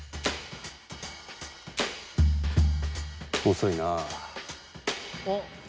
遅いなあ。